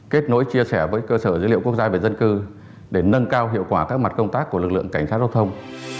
kết nối chia sẻ với cơ sở dữ liệu quốc gia về dân cư để nâng cao hiệu quả các mặt công tác của lực lượng cảnh sát giao thông